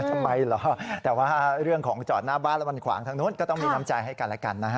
ทำไมเหรอแต่ว่าเรื่องของจอดหน้าบ้านแล้วมันขวางทางนู้นก็ต้องมีน้ำใจให้กันแล้วกันนะฮะ